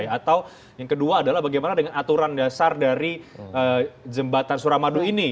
atau yang kedua adalah bagaimana dengan aturan dasar dari jembatan suramadu ini